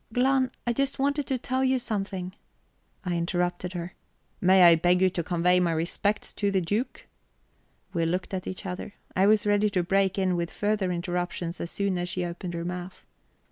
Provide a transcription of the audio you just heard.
"Glahn, I just wanted to tell you something ..." I interrupted her: "May I beg you to convey my respects to the Duke?" We looked at each other. I was ready to break in with further interruptions as soon as she opened her mouth.